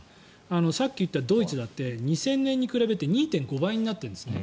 さっき言ったドイツだって２０００年に比べて２．５倍になっているんですね。